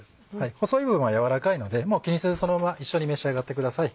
細い部分は軟らかいのでもう気にせずそのまま一緒に召し上がってください。